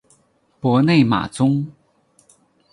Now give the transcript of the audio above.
博内马宗。